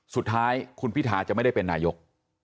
สุดท้ายคุณพิทาจะไม่ได้เป็นนายก